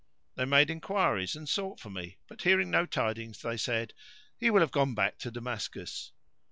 They made enquiries and sought for me, but hearing no tidings they said, "He will have gone back to Damascus."